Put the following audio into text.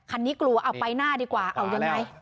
กลัวเอาไปหน้าดีกว่าเอายังไง